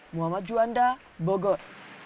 muhammad juanda bogor